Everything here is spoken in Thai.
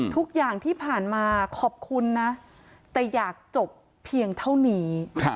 ทุกอย่างที่ผ่านมาขอบคุณนะแต่อยากจบเพียงเท่านี้